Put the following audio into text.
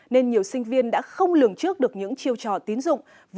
nên nhiều sinh viên đã không lường trước được những chiêu trò tín dụng